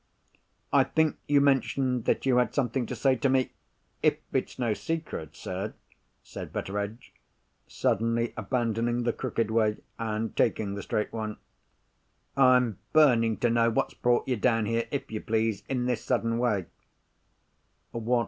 I think you mentioned that you had something to say to me? If it's no secret, sir," said Betteredge, suddenly abandoning the crooked way, and taking the straight one, "I'm burning to know what's brought you down here, if you please, in this sudden way."